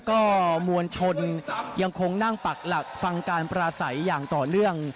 ก็มวลชนยังคงนั่งปักหลักฟังการปราศัยอย่างต่อเนื่อง